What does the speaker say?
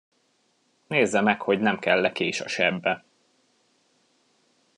Nézze meg, hogy nem kell-e kés a sebbe.